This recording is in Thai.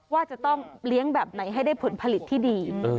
ว่าจะต้องเลี้ยงแบบไหนให้ได้ผลผลิตที่ดี